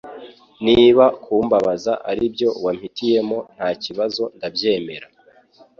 Niba kumbabaza aribyo wampitiyemo ntakibazo ndabyemera